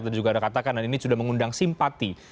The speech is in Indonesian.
dan juga ada katakan ini sudah mengundang simpati